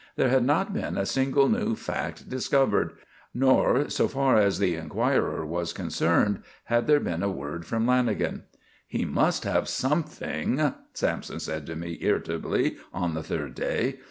There had not been a single new fact discovered; nor, so far as the Enquirer was concerned, had there been a word from Lanagan. "He must have something," Sampson said to me irritably on the third day.